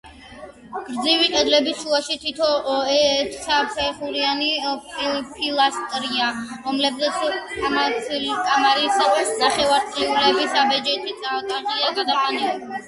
გრძივი კედლების შუაში თითო ერთსაფეხურიანი პილასტრია, რომლებზეც კამარის ნახევარწრიული საბჯენი თაღია გადაყვანილი.